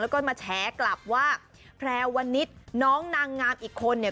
แล้วก็มาแฉกลับว่าแพรวนิดน้องนางงามอีกคนเนี่ย